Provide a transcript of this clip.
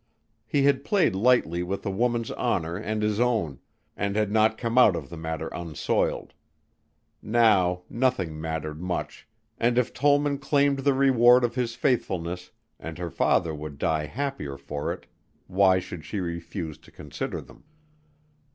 He had played lightly with a woman's honor and his own, and had not come out of the matter unsoiled. Now nothing mattered much and if Tollman claimed the reward of his faithfulness and her father would died happier for it why should she refuse to consider them?